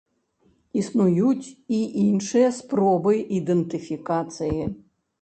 Існуюць і іншыя спробы ідэнтыфікацыі.